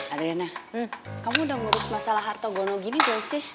adriana kamu udah ngurus masalah harto gono gini belum sih